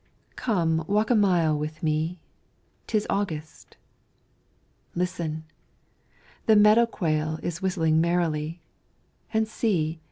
AUGUST Come walk a mile with me 'Tis August. Listen! The meadow quail is whistling merrily, And see!